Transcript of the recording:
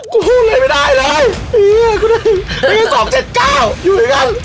กูพูดเลยไม่ได้เลยไม่ได้๒๗๙อยู่ด้วยกัน